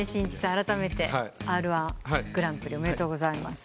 あらためてＲ−１グランプリおめでとうございます。